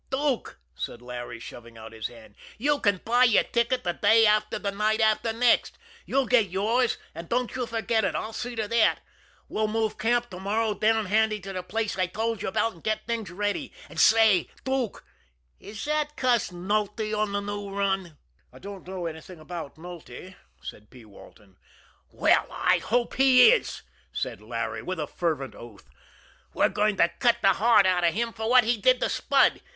"Dook," said Larry, shoving out his hand, "you can buy your ticket the day after the night after next you'll get yours, and don't you forget it, I'll see to that. We'll move camp to morrow down handy to the place I told you about, and get things ready. And say, Dook, is that cuss Nulty on the new run?" "I don't know anything about Nulty," said P. Walton. "Well, I hope he is," said Larry, with a fervent oath. "We're going to cut the heart out of him for what he did to Spud.